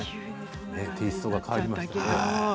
テイストが変わりましたね。